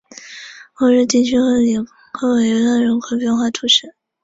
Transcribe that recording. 欧日地区克里克维勒人口变化图示